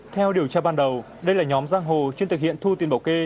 theo điều tra ban đầu đây là nhóm giang hồ chuyên thực hiện thu tiền bảo kê